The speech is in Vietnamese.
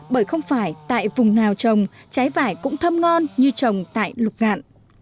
bởi không phải tại vùng nào trồng trái vải cũng thơm ngon như trồng tại lục ngạn